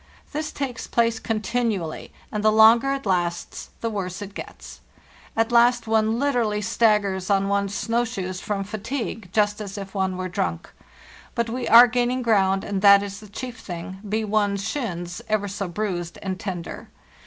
This takes place continually, and the longer it lasts the worse it gets. At last one literally staggers on one's snow shoes from fatigue, just as if one were drunk. But we are gaining ground, and that is the chief thing, be one's shins ever so bruised and tender.